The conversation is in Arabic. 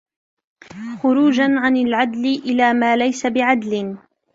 خُرُوجًا عَنْ الْعَدْلِ إلَى مَا لَيْسَ بِعَدْلٍ